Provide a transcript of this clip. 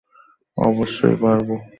অবশ্যই, পারব।